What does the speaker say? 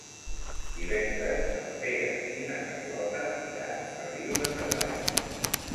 Divendres en Pere i na Carlota iran a Riu de Cerdanya.